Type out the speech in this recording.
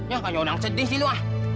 ya kayaknya orang sedih sih lu ah